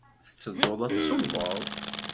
Tettedduḍ ad d-tṣubbeḍ?